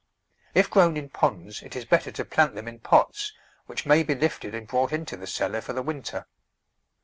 If grown in ponds it is better to plant them in pots, which may be lifted and brought into the cellar for the winter.